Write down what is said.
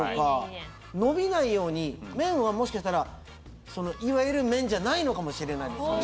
麺はもしかしたらいわゆる麺じゃないのかもしれないです。